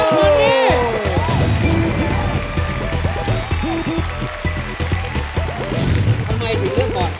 ทำไมถึงเลือกก่อน